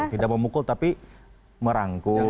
tidak memukul tapi merangkul